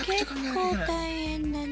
ああ結構大変だね。